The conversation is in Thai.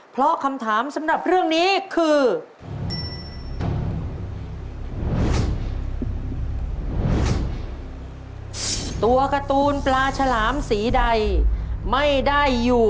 ปลาโรมาค่ะปลาฉลามด้วย